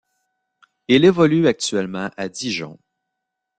Il évolue actuellement à Dijon.